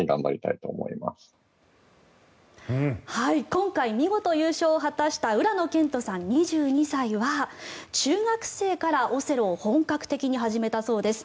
今回、見事優勝を果たした浦野健人さん、２２歳は中学生からオセロを本格的に始めたそうです。